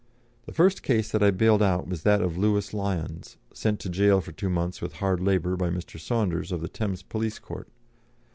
The first case that I bailed out was that of Lewis Lyons, sent to gaol for two months with hard labour by Mr. Saunders, of the Thames Police Court.